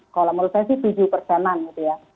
kalau menurut saya sih tujuh persenan gitu ya